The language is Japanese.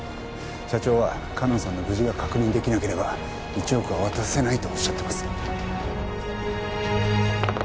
社長はかのんさんの無事が確認出来なければ１億は渡せないとおっしゃってます。